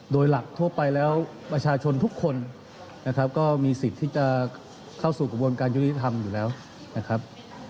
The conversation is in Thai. โดยหลักทั่วไปแล้วประชาชนทุกคนนะครับก็มีสิทธิ์ที่จะเข้าสู่กระบวนการยุติธรรมอยู่แล้วนะครับ